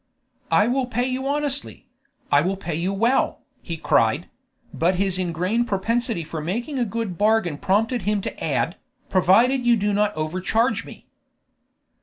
"I will pay you honestly; I will pay you well," he cried; but his ingrained propensity for making a good bargain prompted him to add, "provided you do not overcharge me."